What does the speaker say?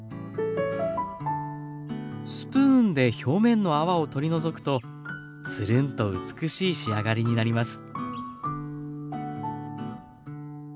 スプーンで表面の泡を取り除くとつるんと美しい仕上がりになります。